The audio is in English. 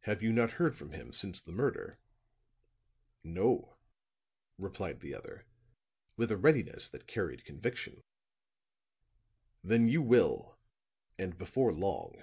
"Have you not heard from him since the murder?" "No," replied the other with a readiness that carried conviction. "Then you will, and before long."